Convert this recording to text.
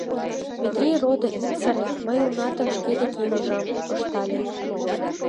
— Метрий родо, ит сыре, мый унатым шке декем ӱжам, — ыштале.